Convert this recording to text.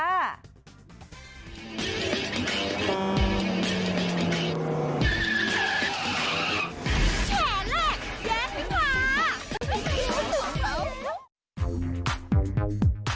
รู้สึกเค้า